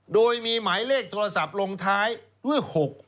โดยมีหมายเลขโทรศัพท์ลงท้ายด้วย๖๖